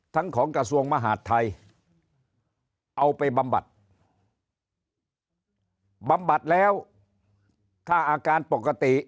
ของกระทรวงมหาดไทยเอาไปบำบัดบำบัดแล้วถ้าอาการปกติ